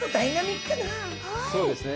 そうですね。